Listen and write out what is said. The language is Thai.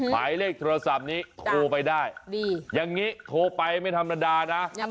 หมายเลขโทรศัพท์นี้โทรไปได้อย่างนี้โทรไปไม่ธรรมดานะ